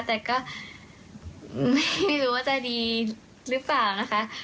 แต่ก็ไม่รู้ว่าจะดีหรือเปล่านะคะ